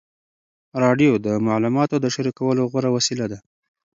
راډیو د معلوماتو د شریکولو غوره وسیله ده.